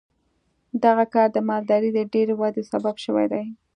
دغه کار د مالدارۍ د ډېرې ودې سبب شوی دی.